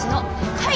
はい！